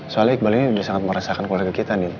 soalnya iqbal ini udah sangat merasakan keluarga kita din